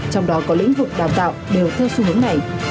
trong đó có lĩnh vực đào tạo đều theo xu hướng này